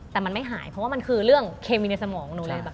แต่มันไม่หายเพราะว่ามันคือเรื่องเคมีในสมองหนูเลย